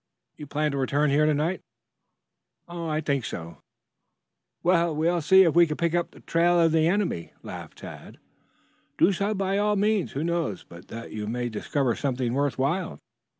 You plan to return here to night?" "I think so." "We will see if we can't pick up the trail of the enemy," laughed Tad. "Do so by all means. Who knows but that you may discover something worth while?